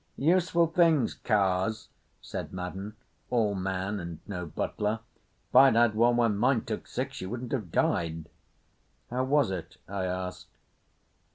"Useful things cars," said Madden, all man and no butler. "If I'd had one when mine took sick she wouldn't have died." "How was it?" I asked.